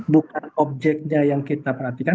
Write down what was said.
bukan objeknya yang kita perhatikan